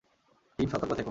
Team সতর্ক থেকো।